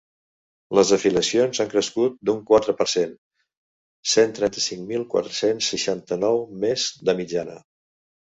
Les afiliacions han crescut d’un quatre per cent, cent trenta-cinc mil quatre-cents seixanta-nou més, de mitjana.